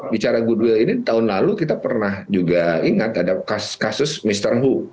bicara goodwill ini tahun lalu kita pernah juga ingat ada kasus mr who